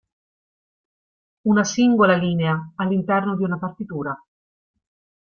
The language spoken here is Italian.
Una singola linea all'interno di una partitura.